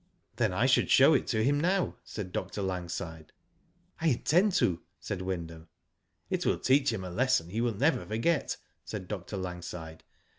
*"" Then I should show it him now," said Dr. Langside. '• I intend to," said Wyndham. *' It will teach him a lesson he will never forget," said Dr. Langside.